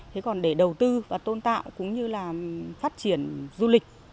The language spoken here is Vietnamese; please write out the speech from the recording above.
thế còn để đầu tư và tôn tạo cũng như là phát triển du lịch